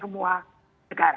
terima kasih pak seminta